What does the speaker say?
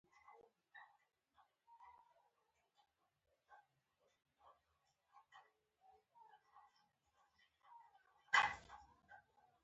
ما به څنګه خپله ورېنداره وژله.